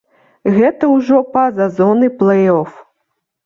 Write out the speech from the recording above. Гэта ўжо па-за зонай плэй-оф.